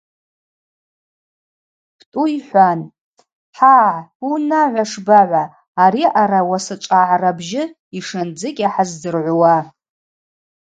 Птӏу йхӏван: – Хӏагӏ, уыунагӏва шбагӏва ари аъара уасачӏвагӏгӏарабжьы йшандзыкӏьа хӏаздзыргӏвуа.